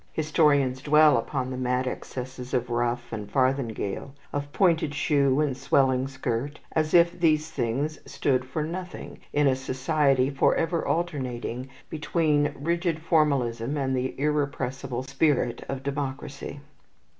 Historians dwell upon the mad excesses of ruff and farthingale, of pointed shoe and swelling skirt, as if these things stood for nothing in a society forever alternating between rigid formalism and the irrepressible spirit of democracy.